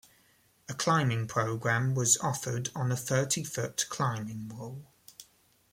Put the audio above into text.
A climbing program was offered on a thirty-foot climbing wall.